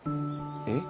えっ？